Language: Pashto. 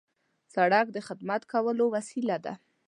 سړک د خدمت کولو وسیله ده.